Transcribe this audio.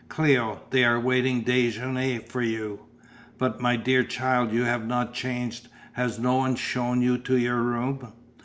"Cléo, they are waiting déjeuner for you but, my dear child, you have not changed, has no one shewn you to your room?"